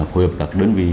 hội hợp các đơn vị